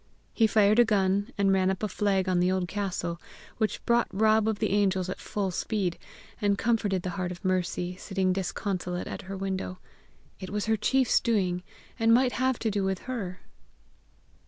He fired a gun, and ran up a flag on the old castle, which brought Rob of the Angels at full speed, and comforted the heart of Mercy sitting disconsolate at her window: it was her chiefs doing, and might have to do with her!